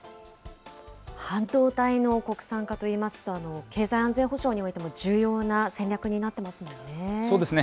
半導体の国産化といいますと、経済安全保障においても重要な戦略になってますもんね。